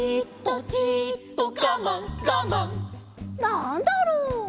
「なんだろう」